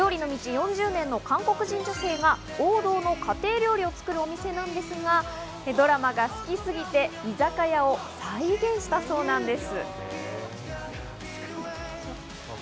４０年の韓国人女性が王道の家庭料理を作るお店なんですが、ドラマが好きすぎて、居酒屋を再現したそうなんです。